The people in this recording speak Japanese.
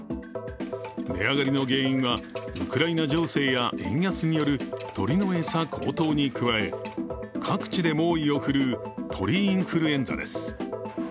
値上がりの原因はウクライナ情勢や円安による鶏の餌高騰に加え、各地で猛威を振るう鳥インフルエンザです。